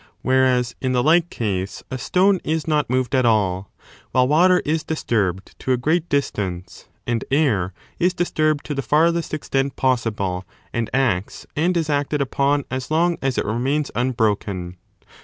12, 13 435 a8 4—435b 9 161 a stone is not moved at all, while water is disturbed to a great distance and air is disturbed to the farthest extent possible and acts and is acted upon as long as it remains unbroken.